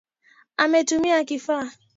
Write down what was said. .Ametumia kifaa